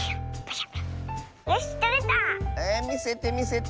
えみせてみせて！